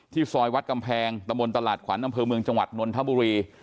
ซอยวัดกำแพงตะมนตลาดขวัญอำเภอเมืองจังหวัดนนทบุรี